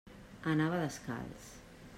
Anava descalç.